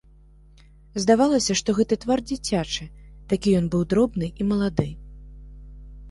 Здавалася, што гэты твар дзіцячы, такі ён быў дробны і малады.